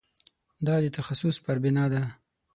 دا د تخصص پر بنا ده.